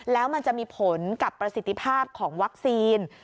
แล้วมันจะมีผลกับประสิทธิภาพของวัคซีน